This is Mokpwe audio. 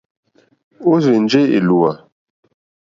Ó rzènjé èlùwà.